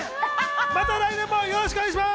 また来年もよろしくお願いします！